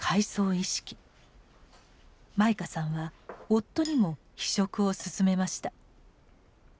舞花さんは夫にも「非色」を薦めました。